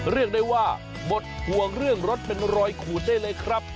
เรียกได้ว่าหมดห่วงเรื่องรถเป็นรอยขูดได้เลยครับ